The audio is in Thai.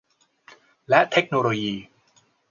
และเทคโนโลยี